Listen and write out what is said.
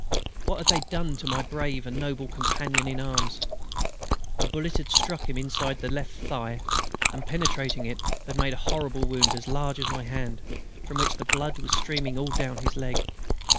What had they done to my brave and noble companion in arms? A bullet had struck him inside the left thigh and, penetrating it, had made a horrible wound, as large as my hand, from which the blood was streaming all down his leg.